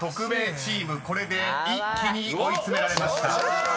チームこれで一気に追い詰められました］